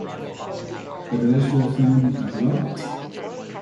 The doors were found unlocked?